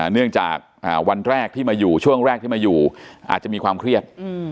เนื่องจากวันแรกที่มาอยู่ช่วงแรกที่มาอยู่อาจจะมีความเครียด